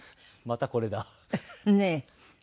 またこれだ。ねえ。